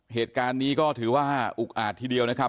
เหตุการณ์นี้ก็ถือว่าอุกอาจทีเดียวนะครับ